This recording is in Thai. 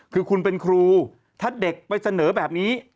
คือคุณเป็นครูถ้าเด็กไปเสนอแบบนี้